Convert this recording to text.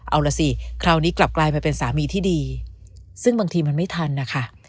เอาล่ะสิคราวนี้กลับกลายมาเป็นสามีที่ดีซึ่งบางทีมันไม่ทันนะคะ